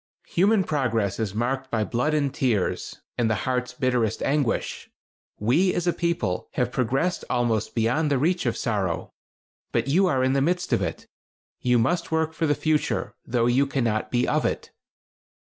Human progress is marked by blood and tears, and the heart's bitterest anguish. We, as a people, have progressed almost beyond the reach of sorrow, but you are in the midst of it. You must work for the future, though you cannot be of it."